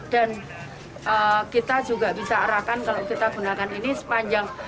dan kita juga bisa arahkan kalau kita gunakan ini sepanjang